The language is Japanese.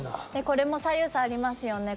これも左右差ありますよね